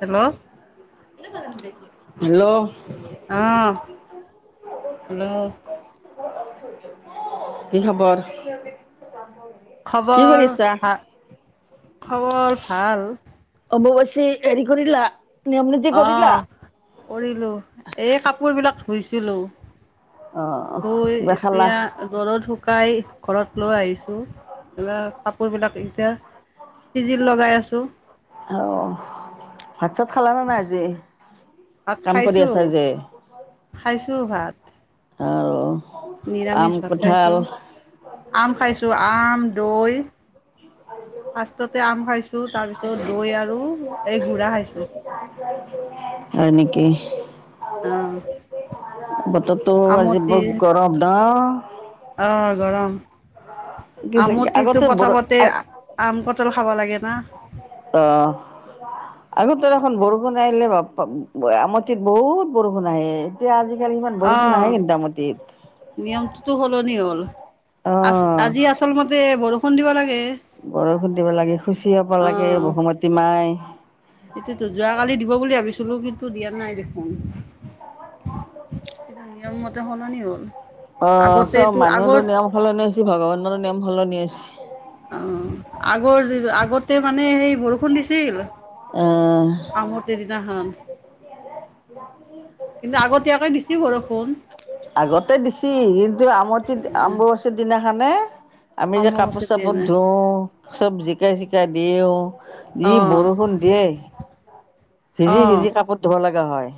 Hello hello. আহ hello. এইহবৰ [unintelligible] খবৰ ভা খবৰ ভাল। অম্বুবাচি হেৰি কৰিলা। নিয়ম নীতি কৰিলা? আহ কৰিলো এই কাপোৰ বিলাক ধুইছিলো। অ' থই কিবা খালা এতিয়া ঘৰত শুকাই ঘৰত লৈ আহিছোঁ এইব কাপোৰবিলাক এতিয়া। চিজিল লগাই আছো। অ', ভাত চাত খালা নে নাই আজি? ভাত কাম কৰি খাইছো আছা যে খাইছো ভাত। আৰু আম নিৰামিষ ভাত কঁঠাল খাইছো, আম খাইছো আম। ৰ'ল। ফাৰ্ষ্টতে আম খাইছো তাৰপিছত দৈ আৰু এই গুড়া খাইছো। নেকি। অ', বততো আজি আমটিৰ গৰম ন'। অ' গৰম। কি আগতে আমটিটো বৰ পথাপতে অ' আম কটল খাব লাগে না। অ', আগতে এখন বৰষুণ আহিলে আমতিত বহুত বৰষুণ আহে এতিয়া আজি অ'নিয়মটোতো সলনি হ'ল। আছ অ' আজি আচল মতে বৰষুণ দিব লাগে। বৰষুণ দিব লাগে শুচি হব লাগে আহ বসুমতী মাই। সেইটোতো যোৱাকালি দিব বুলি ভাবিছো। চুলুকিতটো দিয়া নাই দেখোন কিন্তু নিয়ম মতে সলনি হ'ল। অ', চব আগতেতো মানুহৰো আগত নিয়ম সলনি হৈছে ভগৱানৰো নিয়ম সলনি হৈছে। অ', আগৰ আগতে মানে সেই বৰষুণ দিছিল। আহ আমতেদিনাখন কিন্তু আগতীয়াকে দিছি বৰষুন। আগতে দিছি খানে আমি যে কাপোৰ অম্বুবাচীৰ চাপোৰত দিনা ধোও চব জিকাই চিকাই দিওঁ অ ই বৰষুণ দিয়ে অ ভিজি ভিজি কাপোৰ ধোব লগা হয়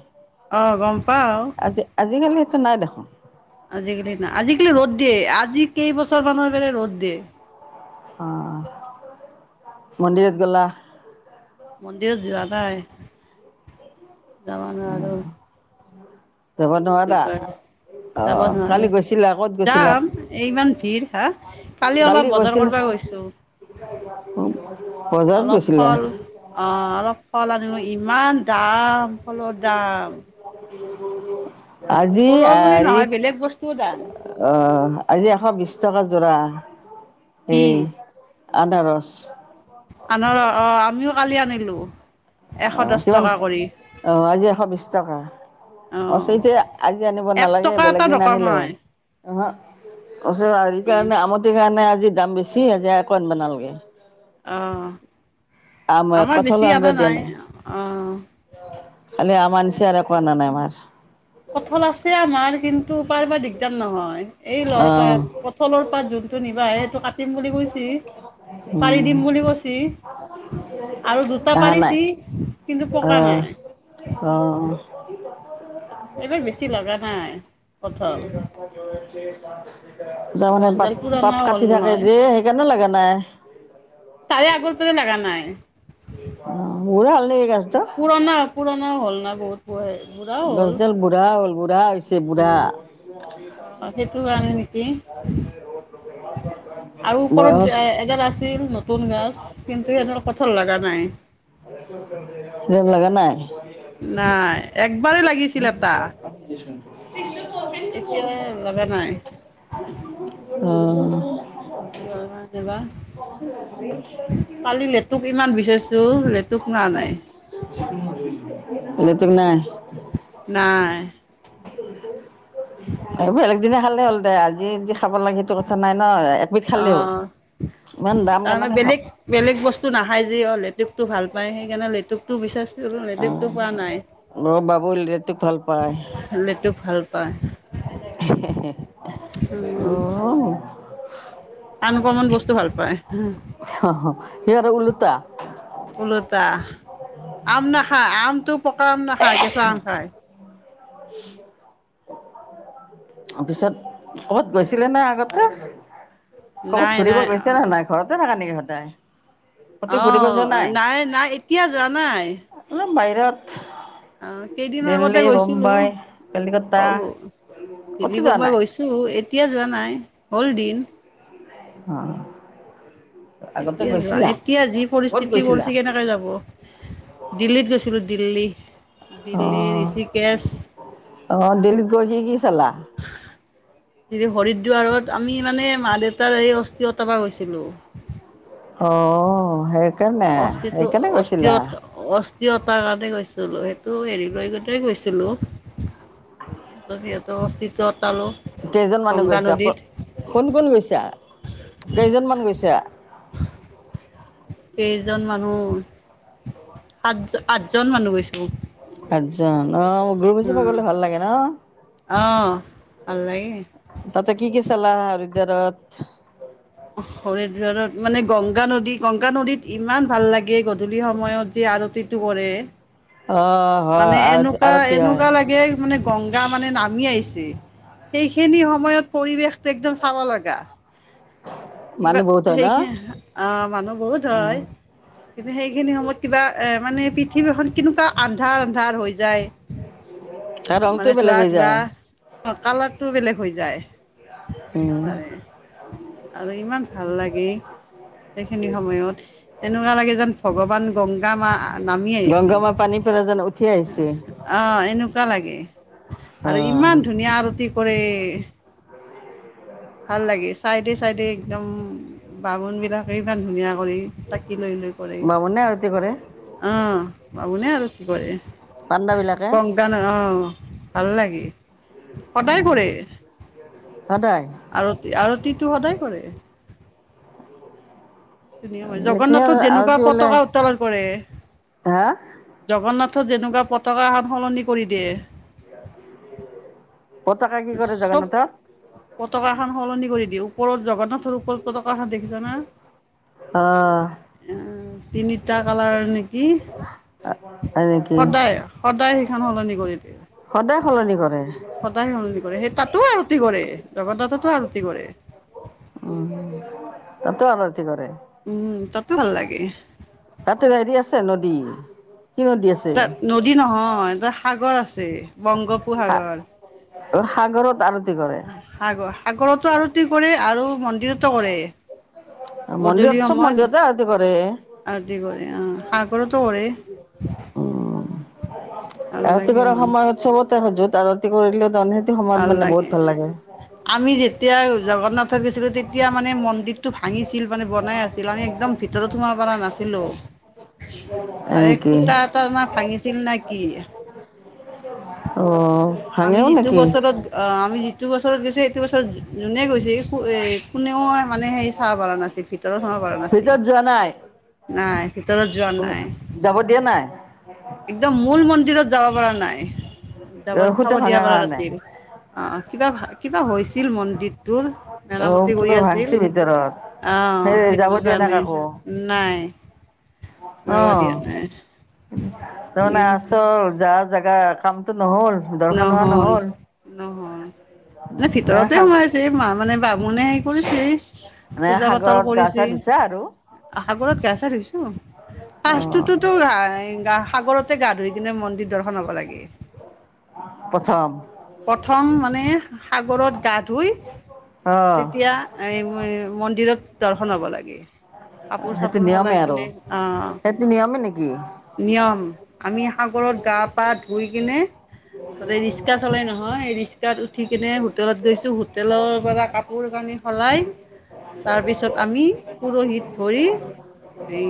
অ' গম পাও। আজি আজিকালি নাই দেখোন। আজিকালি না আজিকালি ৰ'দ দিয়ে আজি কেইবছৰ মানুহ বলে ৰ'দ দিয়ে। অ, মন্দিৰত গেলা। মন্দিৰত যোৱা যাবা নোৱাৰোঁ। যাবৰ নোৱাৰা দা যাব নোৱাৰাৰে যাম ইমান ভিৰ হা কালি অলপ বজাৰ কৰিব গ বজাৰত অলপ গৈছিলা ফল আহ অলপ ফল আন ইমান দাম ফলৰ দাম। আজি ফলৰ বুলি নহয় আৰিত বেলেগ বস্তুও দাম আহ আজি এশ বিশ টকা যোৰা কি এই আদাৰস আনৰ অ, আমিও কালি আনিলো। এশ আহ, দহ কিমান টকা কৰি আহ আজি এশ বিশ টকা। অ অচতিয়া আজি আনিব এক নালাগে টকা বেলেগ এটা দিন আনিলে হ'ল নকমাই আহ হা আ এই অ কাৰণে আমটিৰ কাৰণে আজি দাম বেছি আজি আকৌ আনব নালগে। আহ আমাৰ কঁঠালো বেছি আনিব আনা দিয়া নাই অ' খালি আমাৰ নিচিনা আৰু একো আনা নাই আমাৰ কঠল আছে আমাৰ কিন্তু পাৰিবাৰ দিগদাৰ নহয়। এই লৰা অ' পঠলৰ পাত যোনটো নিবা সেইটো কাটিম বুলি কৈছি। পাৰি উম দিম বুলি কৈছি। আৰু দুটা অহা নাই পাৰিছি কিন্তু পকা নাই। থ কাম। হয় তাৰমানে গছডাল পাত পুৰণাও পাত হ'ল কাটি থাকে নহয় যে সেইকাৰণে লাগ লিগা নাই। তাৰে আগৰ প লগা নাই। অ, উৰে হাল ন। পুৰণা, পুৰণা হ'ল না বহুত। বুঢ়াও হ'ল গছডাল বুঢ়া হ'ল বুঢ়া হৈছে বুঢ়া দা অঁ সেইটো কাৰণে নেকি আৰু ওপৰত এডাল আছিল নতুন গছ কিন্তু সিহতৰ কঠৰ লগা নাই। ন লগা নাই। নাই একবাৰেই লাগিছিল এটা। এতিয়া লগা আহ নাই [unintelligible] কিয় নামাতে বা কালি লেতুক ইমান বিচাৰিছোঁ লেতুক মাৰা নাই। নতুন নাই। নাই। এইবোৰ বেলেগ দিনে খালে হ'ল দে আজি য খাব লাগে সটো কথা নাই ন। একবিধ খালেই হ'ল অ' ইমান দাম তাৰমানে কেনেকৈ খাম বেলেগ- বেলেগ বস্তু নাখায় যি অ লেটুক ভাল পাই সেইকাৰণে লেটুকটো বিচাৰছো অ' লেটুকতটো পোৱা নাই। অ বাবু ৰাটোক ভাল পায়। লেটুক ভাল পায় অ', আনকমান বস্তু ভাল পায়। অ, সিহ আৰু উওলোটা। ওলোটা আম নাখায় আমটো পকা আম নাখায় কেচা আম খায়। পিছত ক'ত গৈছিলে নে আগতে। ক'ৰবাত নাই ঘূৰিব নাই গৈছে নে নাই ঘৰতে থকা নেকি সদায়? ক'তো ঘূৰিব আহ যোৱা নাই - নাই এতিয়া যোৱা নাই। অলপ বাহিৰত আহ কেইদিনৰ আগতে দিল্লী, গৈছিলো মুম্বাই, কলিকতা অ, ক'তো দিল্লী যোৱা বোম্বাই নাই? গৈছোঁ এতিয়া যোৱা নাই হ'ল দিন অঁ এতিয়া যোৱা এতিয়া যি ক'ত পৰিস্থিতি গৈছিলা? পৰিছে কেনেকে যাব দিল্লীত গৈছিলো দিল্লী দিল্লী আহ ঋষিকেশ আহ দিলীপ গজী কি চলা হৰিদ্বাৰত আমি মানে মা দেউতাৰ এই অস্থিৰ অতাবা গৈছিলো আহ সেইকাৰণে সেইকাৰনে কৈছিলা ীয়তাৰ কাৰণে গৈছিলো সেইটো হেৰি লৈ গলে গৈছিলো সিহতো অস্তিত্বত কেইজন মানুহ গৈছে আক কোন কোন গৈছে কেইজনমান গৈছে কেইজন মানুহ সাত আঠজন মানুহ গৈছো কচজন ন মোৰ গ্ৰুপহিচাপে গলে ভাল লাগে ন। অ', ভাল লাগে তাতে কি-কি চলা আৰু হৰিদুৱাৰ্ত। হয় দাৰত মানে গংগা নদী গংগা নদীত ইমান ভাল লাগে গধূলি সময়ত যে আৰতিতটো কৰে অ' হয় মানে আৰতি এনেকুৱা আৰতি হয়। এনেকুৱা লাগে মানে গংগা মানে নামি আহিছে সেইখিনি সময়ত পৰিৱেশটো একদম চাব লগা কিবা মানুহ বহুত হয় ন? সেইখিন অহ মানুহ বহুত হয়। কিন্তু সেইখিনি সময়ত কিবা এ াৰ মানে পৃথিৱী এখন কেনেকুৱা আন্ধাৰ আন্ধাৰ হৈ যায় তাৰ ৰংটো মানে বেলেগ ধোৱা হৈ ধোৱা যায় কালাৰটো বেলেগ হৈ যায় এই তাৰে। আৰু ইমান ভাল লাগে সেইখিনি সময়ত এনেকুৱা লাগে যেন ভগৱান গংগা মা নামি আহিছে গংগামাৰ পানী পেলাই যেন উঠি আহিছে অ' এনেকুৱা লাগে অ আৰু ইমান ধুনীয়া আৰতি কৰেৰে ভাল লাগে চাইডে-চাইডে একদম বামুন বিলাকে ইমান ধুনীয়া কৰি। কি লৈ লৈ কৰে বামুণে আৰতি কৰে আহ বাবুনেে আৰতি কৰে পাণ্ডা বিলাকে কং গান অ ভাল লাগি কদায় কৰে সদায় আৰতি আৰতিটো সদায় কৰে ধুনীয়া ম এতিয়া জগন্নাথত যেনেকুৱা আৰতি বোলে পতকা উত্তোলন কৰে হা জগন্নাথ যেনেকুৱা পতাক সান সলনি কৰি দিয়ে [unintelligible] কি কৰে চব জগন্নাথত পতকাখন সলনি কৰি দিিয় ওপৰত জগন্নাথ ওপৰত পতকাখান দেখিছ না অহ, অ তিনিটা কালাৰ নেকি হয় নেকি সদায় সদায় সেইখন সলনি কৰি দিয়ে সদায় সলনি কৰে। সদায় সলনি কৰে সেই তাতো আৰতি কৰে জগন্নাথতো আৰতি কৰে। উম, তাতে আৰতি কৰে। উম, তাতো ভাল লাগে। তাতে হেৰি আছে নদী কি নদী আছে তাত নদী নহয় তাত সাগৰ আছে সা বংগোপসাগৰ অ', সাগৰত আৰতি কৰে সাগৰ সাগৰতো আৰু কি কৰে আৰু মন্দিৰতো কৰে গধূলি মন্দিৰত চব সময়ত মন্দিৰতে আৰতি কৰে আদি কৰে আহ সাঁহ ঘৰতো কৰে উ ভাল আৰতি লাগে কৰা আৰু সময় হ চবতে সজুত আৰতি কৰিলেওহ ভাল লাগে আমি যেতিয়া জগন্নাথত গৈছিলো তেতিয়া মানে মন্দিৰ টো ভাঙিছিল মানে বনাই আছিল আমি একদম ভিতৰত সোমাব পৰা নাছিলো তাৰে এই এনেকি সুতা এটানা ভাঙিছিল নে কি অ' আমি ভাঙেও যিটো নেকি? বছৰত অহ আমি যি এইটো বছৰত গৈছে এইটো বছৰত যোনে গৈছে এ কোনেও মানে হেৰি চাব পৰা নাছিল ভিতৰত পৰা নাছিল ভিতৰত যোৱা নাই? নাই ভিতৰত জ্বোৱা নাই [inaudible] যাব দিয়া নাই? একদম মূল মন্দিৰত যাব পৰা নাই যাব অ' খুটা চাম দিয়া ভাঙা পৰা কাৰণে নাছিল অ অ কিবা হৈছিল মন্দিত দোৰ অ' মেৰামতি কৰি কিবা আছিল ভাংছি ভিতৰত। অ সেই যাব সেইটো দিয়া নাই কাৰণে কাকো নাই অ যাব দিয়া নাই তাৰমানে কিন্তু আছো যা জাগা কামটো নহল দৰ্শন হোৱা নহল [inaudible] নহ'ল মানে ভিতৰতে সোমাইছে মা মানে বামুণে হেৰি কৰি মানে পূজা পাতল সাগৰত গা চা কৰিছে ধুইছা আৰু সাগৰত গা চা ধূইছো পাচটোতো অ'। গা সাগৰতে গা ধুই কিনে মন্দিৰ দৰ্শন হ'ব লাগে প্ৰথম প্ৰথম মানে সাগৰত গা ধুই অ' তেতিয়া এই মন্দিৰত দৰ্শন হব লাগে কাপোৰ সেইটো চাপোৰ সলাই নিয়মে কিনে আৰু। অহ সেইটো নিয়মে নেকি? নিয়ম আমি সাগৰত গা পা ধুই কিনে তাতে ৰিক্সাত চলাই নহয় এই ৰিক্সাত উঠি কেনে হোটেলত গৈছো হোটেলৰ পৰা কাপোৰ কানি সলাই তাৰপিছত আমি পৰহিত ধৰি এই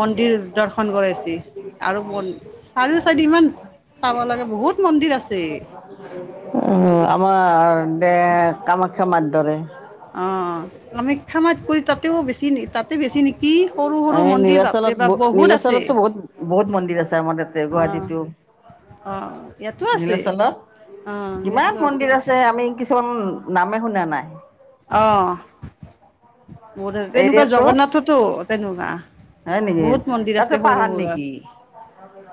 মন্দিৰ দৰ্শন কৰাইছে আৰু চাৰিও চাৰি ইমান চাব লাগে বহুত মন্দিৰ আছে উ আমাৰ দে কামাখ্যা মাৰ ধৰে অ আমি কামাখ্যা মাৰ কৰি তাতেও বেছি তাতে বেছি কি সৰু সৰু এই মন্দিৰ বাপৰে নীলাচলত বা ব বহুত আছে নীলাচলততো বহুত বহুত মন্দিৰ আছে আমাৰ তাতে অ গুৱাহাটীতো। অ ইয়াতো আছে নীলাচলত অ' ইয়াতো কিমান মন্দিৰ আছে আমি কিছুমান নামে শুনা নাই অহ বহত তেনেকুৱা এৰিয়াটোত জগন্নাথতো তেনেকুৱা হয় নেকি? বহুত মন্দিৰ তাতে আছে সৰু পাহাৰ সুৰা নেকি?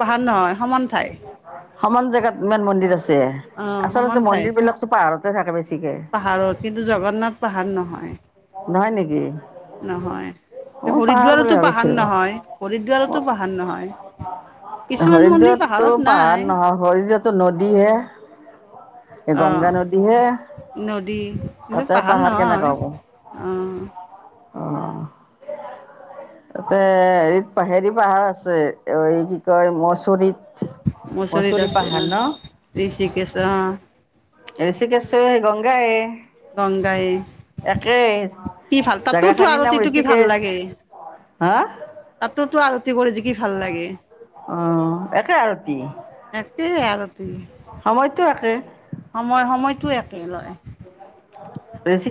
পাহাৰ নহয় সমান ঠাই সমান জেগাত ইমান মন্দিৰ আছে অ' আচলতে মন্দিৰ বিলাক চব পাহাৰতে থাকে বেছি পাহাৰৰ কিন্তু জগন্নাথ পাহাৰ নহয় নহয় নেকি? [inaudible] নহয় এ মই পাহাৰ বুলি হৰিদ্বাৰতো পাহাৰ ভাবিছিলোঁ। নহয় হৰিদ্বাৰতো পাহাৰ নহয় কিছুমান মন্দিৰ হৰিদ্বাৰতো পাহাৰত পাহাৰ নাই নহয় হৰিদ্বাৰতো নদীহে এই গংগা অ' নদী হে নদী কিন্তু পাহাৰ নহয় অ অ [inaudible] এ হেৰিত হেৰি পাহাৰ আছে এই কি কয় মচৰিত মচৰিত মচুৰি আছে পাহাৰ অহ ন? ঋষিকেশ অহ ঋষিকেশৰ সেই গংগাই এ গংগায়ে একে জেগাখিনিৰ নাম আৰতিটো ঋষিকেশৰ হা তাতো তো আৰতি কৰি কি ভাল লাগে অ একে আৰু কি একটেই আৰু সময়টো একে। সময় সময়টো একে লয়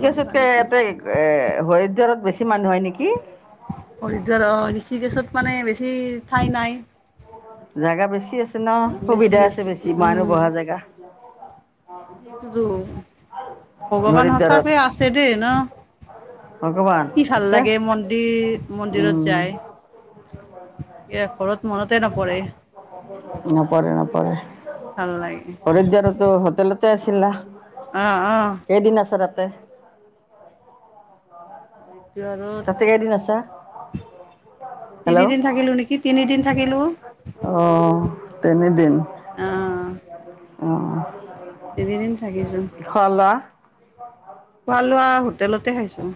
গংগা নদীত ইয়াতে এ হৰিদ্বাৰত বেছি মানুহ হয় নেকি হৰিদ্বাৰ অ ঋষিকেশ বেছি মানে বেছি ঠাই নাই জেগা বেছি আছে ন বেছি সুবিধা আছে, বেছি মানুহ উম বহা জেগা সেইটোতো ভগৱান হৰিদ্বাৰত। সঁচাকে আছে দেই ন ভগৱান কি ভাল আছে লাগে মন্দিৰ মন্দিৰত উম যায়। ই ঘৰত মনতে নপৰে হয় ভাল লাগে হৰিদাৰতো হোটেলতে আছিলা। আহ-আহ কেইদিন [inaudible] এইটো আৰু তাতে কেইদিন আছা তিনিদিন থাকিলো নেকি তিনিদিন থাকিলো। আহ তেতিনিদিন অ আহ তিনিদিন থাকিছো খৱা লৱা খোৱা লোৱা হোটেলতে খাইছো।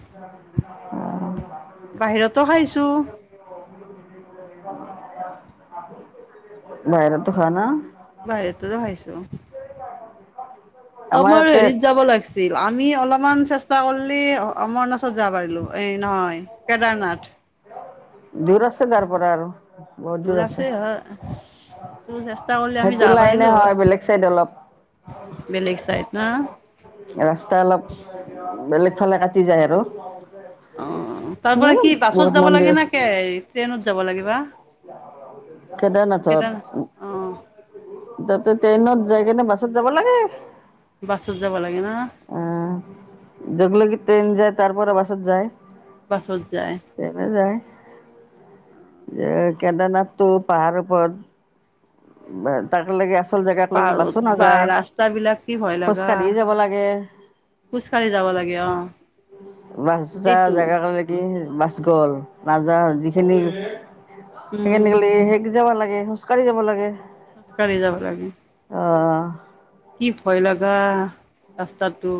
বাহিৰতো [inaudible] খাইছো বাহিৰতে খৱা না বাহিৰতে খাইছোঁ আমাৰ হেৰিত যাব লাগছিল আমি অলপমান চেষ্টা কৰিল অমৰনাথত যাব পাৰিলো, এই নহয় কেদাৰনাথ দূৰ আছে তাৰ পৰা আৰু বহুত দূৰ আছে। তোৰ চেষ্টা কৰিলে আমি সেইটো যাব লাইনে পাৰিলো হয়। বেলেগ চাইড অলপ বেলেগ চাইড না ৰাস্তা অলপ বেলেগ ফালে কাটি যায় আৰু অ, তাৰ পৰা সিমানে কি বাছত বহুত যাব মন্দিৰ লাগে আছে নোক ট্ৰেইনত যাব লাগে বা। কেদাৰনাথত কেদাৰ অ তাতে টেইনত যায় কেনে বাছত যাব লাগে। অ বাছত যাব লাগে না জৰলৈকে ট্ৰেইন যাই আৰু তাৰ পৰা বছত যায়। বাচোন তেনে যায় কেদাৰনাথটো পাহাৰ ওপৰত তাক লাগে আছ আচল জেগাত লৈছ পাহাৰত বাছো বা নাযায় ৰাস্তাবিলাক কি ভয় খোজ লগা কাঢ়িব যাব লাগে। খোজকাঢ়ি যাব লাগে অ, বাছছা এইটো জেগা কাৰলে কি বাছ গ'ল নযোৱা যিখিনি উম সেইখিনি সেই যাব লাগে খোজকাঢ়ি যাব লাগে। খোজকাঢ়ি যাব লাগে। অ কি ভয় লগা ৰাস্তাটো